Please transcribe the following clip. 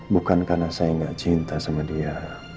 bukan karena saya nggak cinta sama dia